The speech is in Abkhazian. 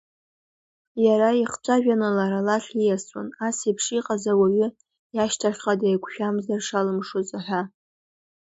Иара ихцәажәаны, лара лахь ииасуан, ас еиԥш иҟаз ауаҩы иашьҭахьҟа деиқәшәамзар шалымшоз ҳәа.